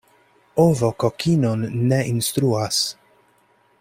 Ovo kokinon ne instruas.